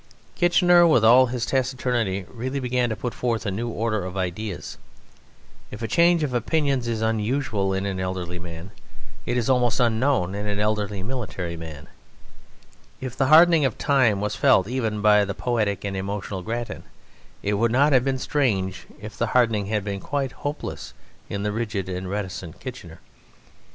Kitchener, with all his taciturnity, really began to put forth a new order of ideas. If a change of opinions is unusual in an elderly man, it is almost unknown in an elderly military man. If the hardening of time was felt even by the poetic and emotional Grattan, it would not have been strange if the hardening had been quite hopeless in the rigid and reticent Kitchener.